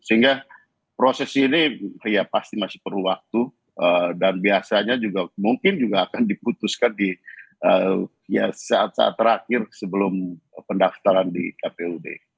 sehingga proses ini ya pasti masih perlu waktu dan biasanya juga mungkin juga akan diputuskan di saat saat terakhir sebelum pendaftaran di kpud